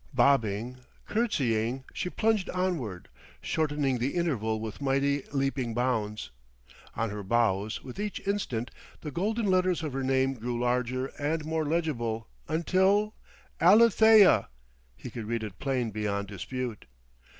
Bobbing, courtesying, she plunged onward, shortening the interval with mighty, leaping bounds. On her bows, with each instant, the golden letters of her name grew larger and more legible until Alethea! he could read it plain beyond dispute.